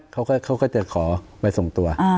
เขาก็จะขอไปส่งตัว